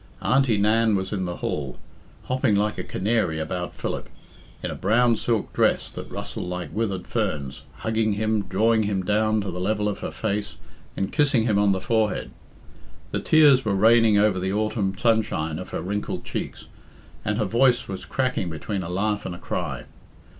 Auntie Nan was in the hall, hopping like a canary about Philip, in a brown silk dress that rustled like withered ferns, hugging him, drawing him down to the level of her face, and kissing him on the forehead. The tears were raining over the autumn sunshine of her wrinkled cheeks, and her voice was cracking between a laugh and a cry.